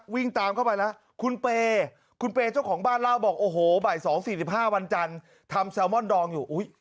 วิ่งเลยครับคุณผู้ชมฮ้าโอ๊ย